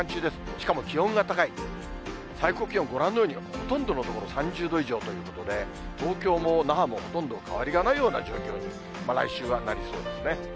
しかも気温が高い、最高気温、ご覧のようにほとんどの所、３０度以上ということで、東京も那覇もほとんど変わりがないような状況に、来週は、なりそうですね。